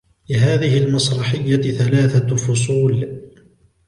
لهذه المسرحية ثلاثة فصول.